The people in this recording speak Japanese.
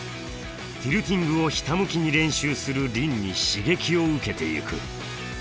ティルティングをひたむきに練習する凛に刺激を受けてゆく。